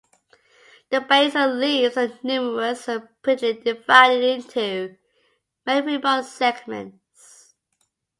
The basal leaves are numerous and pinnately divided into many remote segments.